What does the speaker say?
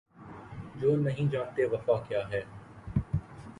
جو نہیں جانتے وفا کیا ہے